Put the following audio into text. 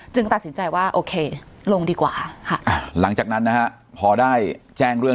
ตัดสินใจว่าโอเคลงดีกว่าค่ะหลังจากนั้นนะฮะพอได้แจ้งเรื่อง